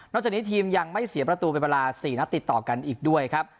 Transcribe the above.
จากนี้ทีมยังไม่เสียประตูเป็นเวลา๔นัดติดต่อกันอีกด้วยครับ